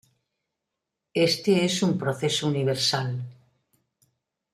Este es un proceso universal.